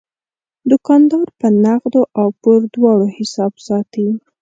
دوکاندار په نغدو او پور دواړو حساب ساتي.